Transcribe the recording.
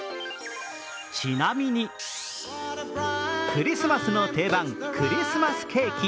クリスマスの定番・クリスマスケーキ。